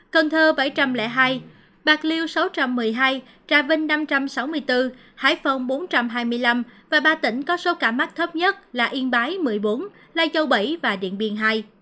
cần thơ bảy trăm linh hai bạc liêu sáu trăm một mươi hai trà vinh năm trăm sáu mươi bốn hải phòng bốn trăm hai mươi năm và ba tỉnh có số ca mắc thấp nhất là yên bái một mươi bốn lai châu bảy và điện biên hai